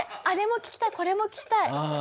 あれも聴きたいこれも聴きたい。